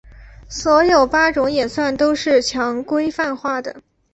所有八种演算都是强规范化的。